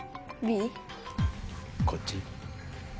こっち？